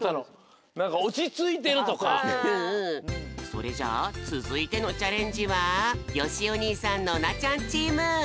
それじゃあつづいてのチャレンジはよしお兄さんノナちゃんチーム！